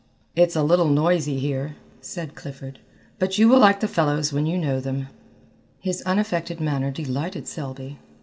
"It's a little noisy here," said Clifford, "but you will like the fellows when you know them." His unaffected manner delighted Selby.